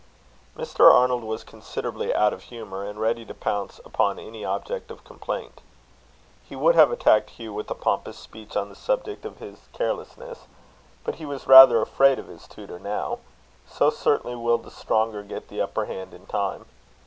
Mr. Arnold was considerably out of humour, and ready to pounce upon any object of complaint. He would have attacked Hugh with a pompous speech on the subject of his carelessness, but he was rather afraid of his tutor now; so certainly will the stronger get the upper hand in time.